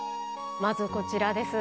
まずこちらです。